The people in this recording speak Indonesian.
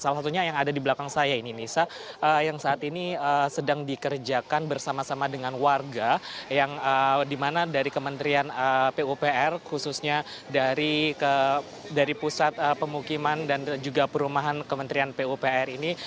salah satunya yang ada di belakang saya ini nisa yang saat ini sedang dikerjakan bersama sama dengan warga yang dimana dari kementerian pupr khususnya dari pusat pemukiman dan juga perumahan kementerian pupr ini